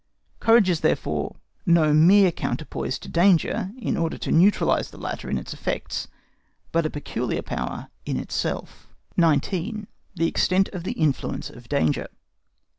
Courage is therefore no mere counterpoise to danger in order to neutralise the latter in its effects, but a peculiar power in itself. 19. EXTENT OF THE INFLUENCE OF DANGER.